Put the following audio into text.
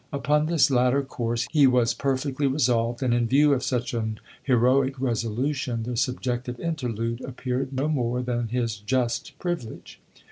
Upon this latter course he was perfectly resolved, and in view of such an heroic resolution the subjective interlude appeared no more than his just privilege.